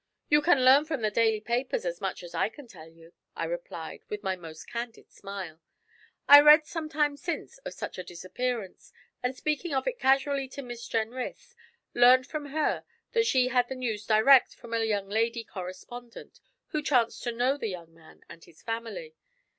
'You can learn from the daily papers as much as I can tell you,' I replied, with my most candid smile. 'I read some time since of such a disappearance, and speaking of it casually to Miss Jenrys, learned from her that she had the news direct from a young lady correspondent who chanced to know the young man and his family.